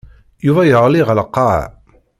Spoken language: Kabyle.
Yuba yeɣli ɣer lqaɛa.